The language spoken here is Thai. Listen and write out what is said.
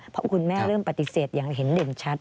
เพราะคุณแม่เริ่มปฏิเสธอย่างเห็นเด่นชัด